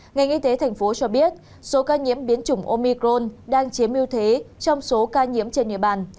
ngành y tế thành phố cho biết số ca nhiễm biến chủng omicron đang chiếm ưu thế trong số ca nhiễm trên địa bàn